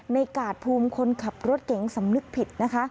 กาดภูมิคนขับรถเก๋งสำนึกผิดนะคะ